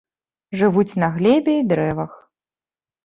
Жывуць на глебе і дрэвах.